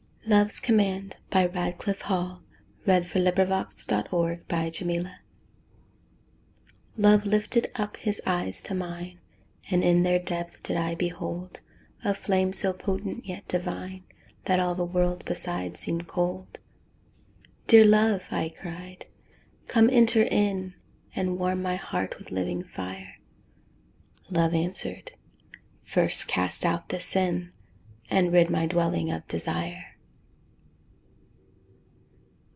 meth a time when a man must sleep, So drink deep, deep, deep. LOVE'S COMMAND Love lifted up his eyes to mine, And in their depth did I behold A flame, so potent yet divine That all the world besides seemed cold. "Dear love," I cried, "come enter in And warm my heart with living fire." Love answered, "First cast out the sin And rid my dwelling of desire."